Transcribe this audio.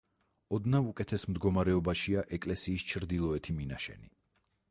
ოდნავ უკეთეს მდგომარეობაშია ეკლესიის ჩრდილოეთი მინაშენი.